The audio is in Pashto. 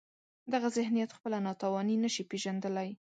دغه ذهنیت خپله ناتواني نشي پېژندلای.